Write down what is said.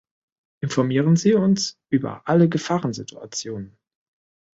Informieren Sie uns über alle Gefahrensituationen.